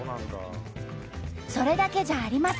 それだけじゃありません！